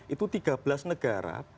itu tiga belas negara